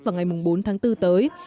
vào ngày bốn tháng bốn tới